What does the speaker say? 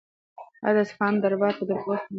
آیا د اصفهان دربار به د پوځ ملاتړ وکړي؟